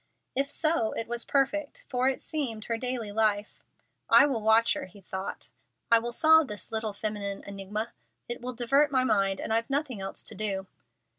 If so it was perfect, for it seemed, her daily life. "I will watch her," he thought. "I will solve this little feminine enigma. It will divert my mind, and I've nothing else to do."